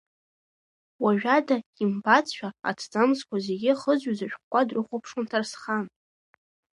Уажәада имбацшәа, аҭӡамцқәа зегьы хызҩоз ашәҟәқәа дрыхәаԥшуан Ҭарсхан.